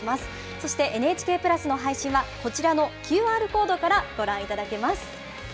そしてＮＨＫプラスの配信はこちらのＱＲコードからご覧いただけます。